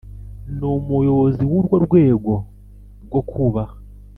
n umuyobozi w urwo rwego bwo kubaha